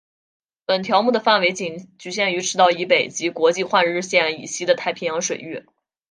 本条目的范围仅局限于赤道以北及国际换日线以西的太平洋水域。